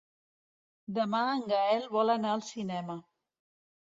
Demà en Gaël vol anar al cinema.